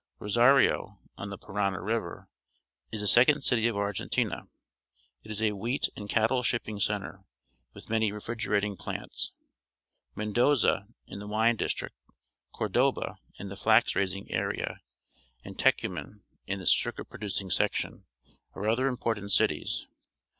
Rosario, on the Parana River, is the second city of Argentina. It is a wheat and cattle shipping centre, with many refrigerating plants. Mendoza, in the wine district, Corboda, in the flax raising area, and Tecuman, in the sugar producing section, are other important cities.